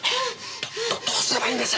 どっどうすればいいんです！？